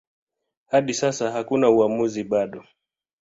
Hadi sasa hakuna uamuzi bado.